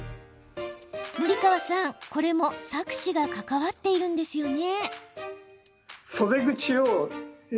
森川さん、これも錯視が関わっているんですよね。